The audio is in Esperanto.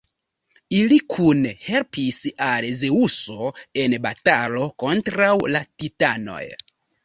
Ili kune helpis al Zeŭso en batalo kontraŭ la titanoj.